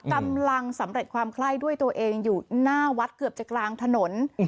กำลังสำเร็จความไข้ด้วยตัวเองอยู่หน้าวัดเกือบจะกลางถนน